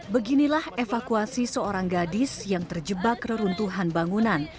beginilah evakuasi seorang gadis yang terjebak reruntuhan bangunan